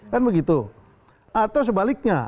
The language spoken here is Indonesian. kan begitu atau sebaliknya